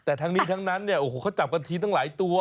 แต่ทั้งนี้ทั้งนั้นเนี่ยโอ้โหเขาจับกันทีตั้งหลายตัว